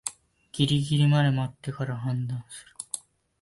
ギリギリまで待ってから判断する